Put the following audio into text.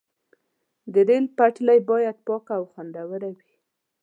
د ریل پټلۍ باید پاکه او خوندي وي.